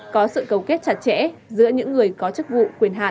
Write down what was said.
có sự cầu kết chặt chẽ giữa những người có chức vụ quyền hạn